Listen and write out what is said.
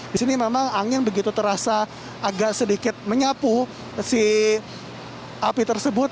di sini memang angin begitu terasa agak sedikit menyapu si api tersebut